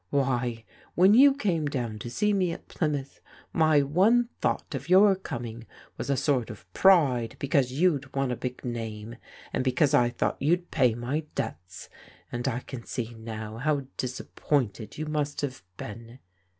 Why, when you came down to see me at Plymouth, my one thought of your coming was a sort of pride because you'd won a big name, and because I thought you'd pay my debts, and I can see now how disappointed you must have been.